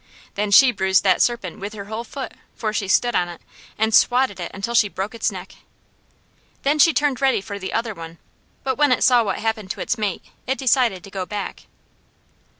Then she bruised that serpent with her whole foot, for she stood on it, and swatted it until she broke its neck. Then she turned ready for the other one, but when it saw what happened to its mate, it decided to go back.